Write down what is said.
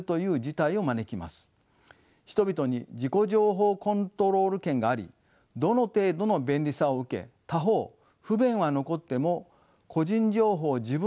人々に自己情報コントロール権がありどの程度の便利さを受け他方不便は残っても個人情報を自分で支配して管理するということ。